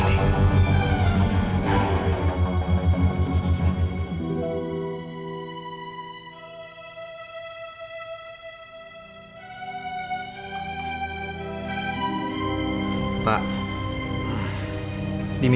aku berharap kau akan selamat